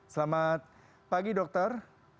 selamat pagi dokter